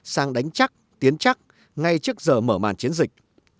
sang đánh chắc tiến chắc ngay trước giờ mở màn chiến dịch